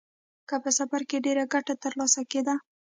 که په سفر کې ډېره ګټه ترلاسه کېده.